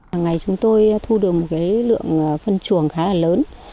hàng ngày chúng tôi thu được một lượng phân chuồng khá là lớn